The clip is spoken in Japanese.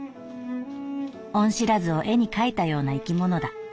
恩知らずを絵に描いたような生き物だ」。